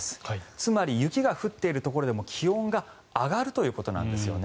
つまり雪が降っているところでも気温が上がるということなんですね。